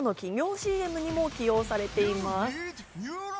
ＣＭにも起用されています。